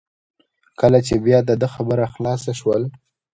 کله چې بیا د ده خبره خلاصه شول.